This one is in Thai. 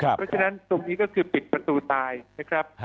เพราะฉะนั้นตรงนี้ก็คือปิดประตูตายนะครับ